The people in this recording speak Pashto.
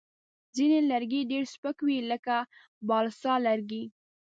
ځینې لرګي ډېر سپک وي، لکه بالسا لرګی.